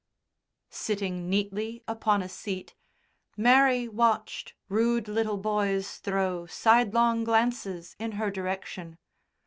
Sitting neatly upon a seat, Mary watched rude little boys throw sidelong glances in her direction.